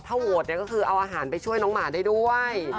ถ้าโหวตเนี่ยก็คือเอาอาหารไปช่วยน้องหมาได้ด้วย